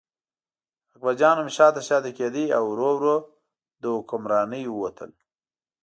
اکبرجان هم شاته شاته کېده او ورو ورو له حکمرانۍ ووتل.